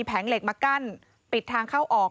แผงเหล็กมากั้นปิดทางเข้าออก